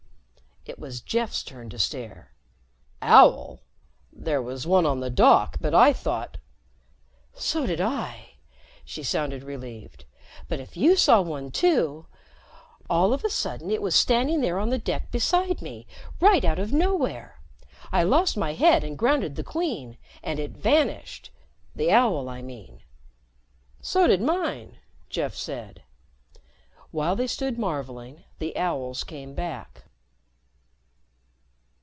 It was Jeff's turn to stare. "Owl? There was one on the dock, but I thought " "So did I." She sounded relieved. "But if you saw one, too.... All of a sudden, it was standing there on deck beside me, right out of nowhere. I lost my head and grounded the Queen, and it vanished. The owl, I mean." "So did mine," Jeff said. While they stood marveling, the owls came back.